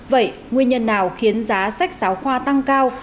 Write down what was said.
vậy nguyên nhân nào khiến giá sách giáo khoa tăng cao